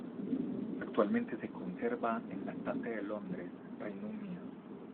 Actualmente se conserva en la Tate de Londres, Reino Unido.